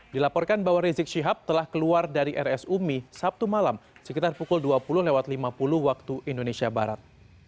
dilaporkan bahwa rizik syihab telah keluar dari rs umi sabtu malam sekitar pukul dua puluh lima puluh waktu indonesia barat